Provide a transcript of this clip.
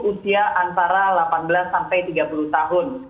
usia antara delapan belas sampai tiga puluh tahun